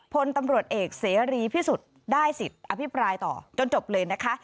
พลตำรวจเอกเสรีพิสุทธิ์ได้สิทธิ์อภิปรายต่อจนจบเลยนะคะ